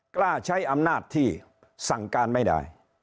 กล้าใช้อำนาจที่สั่งการไม่ได้